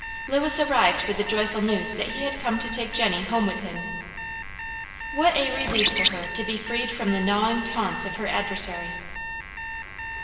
Lewis arrived with the joyful news that he had come to take Jenny home with him. What a relief to her to be freed from the gnawing taunts of her adversary.